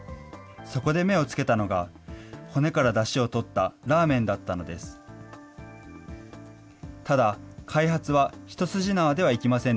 そこで目をつけたのが、骨からだしをとったラーメンだったのです。